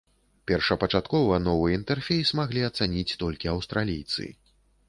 Першапачаткова новы інтэрфейс маглі ацаніць толькі аўстралійцы.